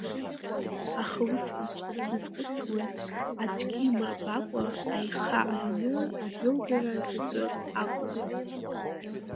Аха усҟанҵәҟьа сзызхәыцуаз, аӡәгьы имырбакәа аиха аҩны адәылгара заҵәык акәын.